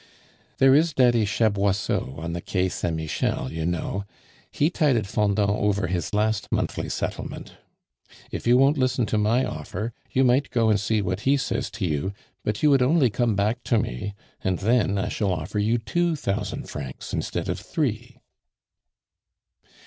"There is Daddy Chaboisseau, on the Quai Saint Michel, you know. He tided Fendant over his last monthly settlement. If you won't listen to my offer, you might go and see what he says to you; but you would only come back to me, and then I shall offer you two thousand francs instead of three."